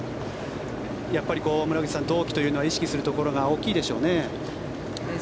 やっぱり村口さん同期というのは意識するところが大きいでしょうね。